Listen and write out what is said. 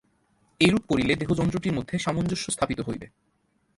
এইরূপ করিলে দেহযন্ত্রটির মধ্যে সামঞ্জস্য স্থাপিত হইবে।